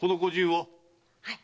はい。